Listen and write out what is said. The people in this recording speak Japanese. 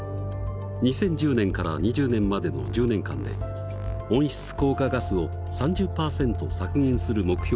２０１０年から２０年までの１０年間で温室効果ガスを３０％削減する目標を立てている。